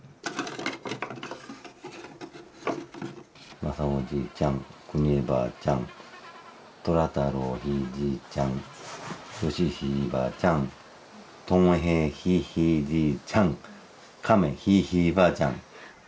まさおじいちゃんくにえばあちゃんとらたろうひいじいちゃんよしひいばあちゃんともへいひいひいじいちゃんかめひいひいばあちゃん。